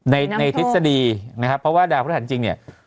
ในในทฤษฎีนะครับเพราะว่าดาวพฤหัสจริงเนี่ย